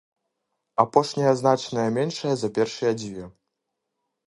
Апошняя значная меншая за першыя дзве.